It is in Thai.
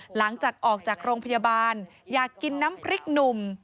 หลังจากออกจากโรงพยาบาลอยากกินน้ำพริกหนุ่ม